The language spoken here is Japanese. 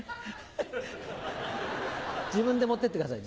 自分で持ってってください。